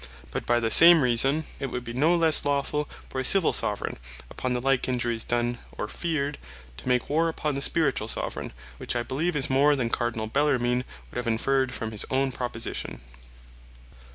But by the same reason, it would be no lesse lawfull for a Civill Soveraign, upon the like injuries done, or feared, to make warre upon the Spirituall Soveraign; which I beleeve is more than Cardinall Bellarmine would have inferred from his own proposition.